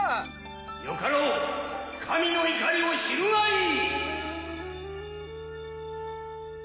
よかろう神の怒りを知るがいい！